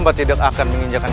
masuklah ke dalam